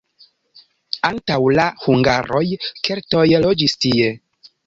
Antaŭ la hungaroj keltoj loĝis tie.